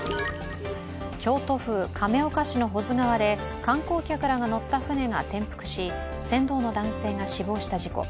京都府亀岡市の保津川で観光客らが乗った舟が転覆し船頭の男性が死亡した事故。